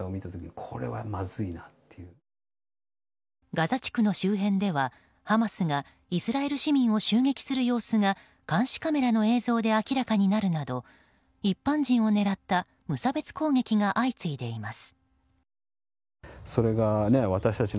ガザ地区の周辺では、ハマスがイスラエル市民を襲撃する様子が監視カメラの映像で明らかになるなど一般人を狙った無差別攻撃が相次いでいます。